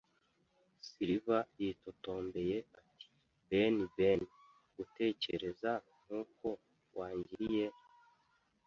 Silver yitotombeye ati: “Ben, Ben, gutekereza nk'uko wangiriye!”